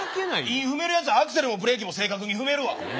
韻踏めるやつアクセルもブレーキも正確に踏めるわ。